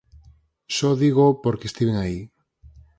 Só dígoo porque estiven aí.